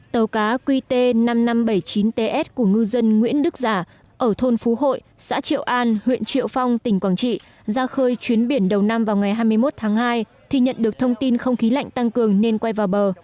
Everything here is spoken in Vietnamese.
tàu cá qt năm nghìn năm trăm bảy mươi chín ts của ngư dân nguyễn đức giả ở thôn phú hội xã triệu an huyện triệu phong tỉnh quảng trị ra khơi chuyến biển đầu năm vào ngày hai mươi một tháng hai thì nhận được thông tin không khí lạnh tăng cường nên quay vào bờ